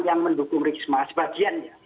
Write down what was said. yang mendukung risma sebagiannya